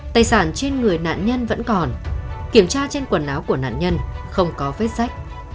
tài sản trên người nạn nhân vẫn còn kiểm tra trên quần áo của nạn nhân không có vết sách